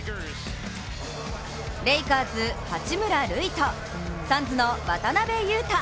レイカーズ・八村塁とサンズの渡邊雄太